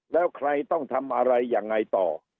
แล้วใครต้องทำอะไรยังไงต่อ